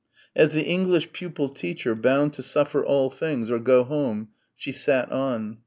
As the English pupil teacher bound to suffer all things or go home, she sat on.